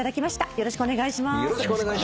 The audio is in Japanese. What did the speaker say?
よろしくお願いします。